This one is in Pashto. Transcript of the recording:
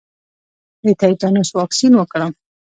د تیتانوس واکسین وکړم؟